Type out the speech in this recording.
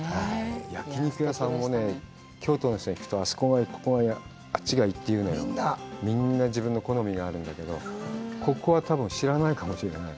焼き肉屋さんもね、京都の人に聞くと、あそこがいい、ここがいい、あっちがいいって言うのよ、みんな、自分の好みがあるんだけど、ここは多分知らないかもしれない。